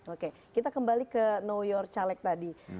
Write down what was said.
oke kita kembali ke know yor caleg tadi